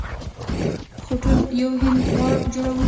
خو ټول یو هند جوړوي.